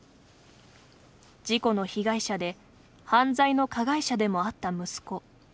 事故の被害者で犯罪の加害者でもあった息子。